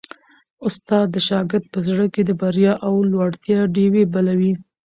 استاد د شاګرد په زړه کي د بریا او لوړتیا ډېوې بلوي.